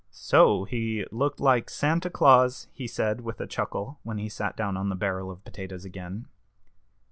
"So he looked like Santa Claus?" he said, with a chuckle, when he sat down on the barrel of potatoes again.